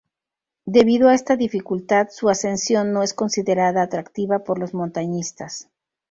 Debido a esta dificultad, su ascensión no es considerada atractiva por los montañistas.